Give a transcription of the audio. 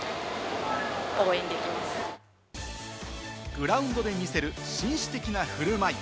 グラウンドで見せる紳士的な振る舞い。